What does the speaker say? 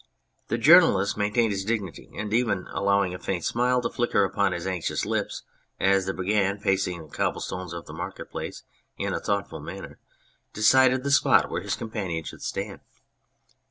The jour nalist maintained his dignity, and even allowed a faint smile to nicker upon his anxious lips as the Brigand, pacing the cobblestones of the market place in a thoughtful manner, decided the spot where his companion should stand.